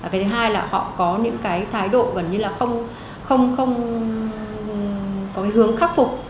cái thứ hai là họ có những cái thái độ gần như là không có cái hướng khắc phục